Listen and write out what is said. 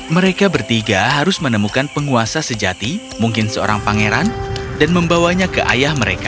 mereka bertiga harus menemukan penguasa sejati mungkin seorang pangeran dan membawanya ke ayah mereka